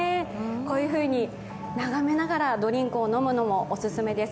こういうふうに眺めながらドリンクを飲むのも良いです